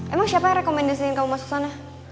emang siapa yang rekomendasiin kamu masuk sana